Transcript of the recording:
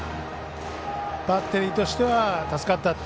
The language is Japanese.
バッテリーとしては助かった。